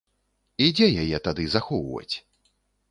І дзе яе тады захоўваць?